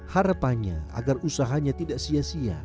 harapannya agar usahanya tidak sia sia